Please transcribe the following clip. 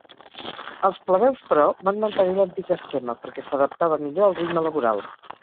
Els plebeus, però, van mantenir l'antic esquema, perquè s'adaptava millor al ritme laboral.